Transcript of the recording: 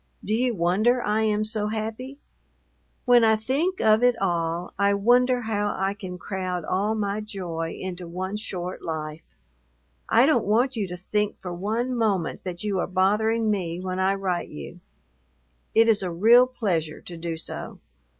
Do you wonder I am so happy? When I think of it all, I wonder how I can crowd all my joy into one short life. I don't want you to think for one moment that you are bothering me when I write you. It is a real pleasure to do so.